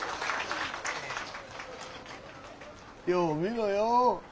よう見ろよ。